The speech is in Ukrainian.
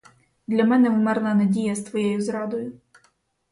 Для мене вмерла надія з твоєю зрадою.